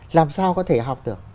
làm sao có thể học được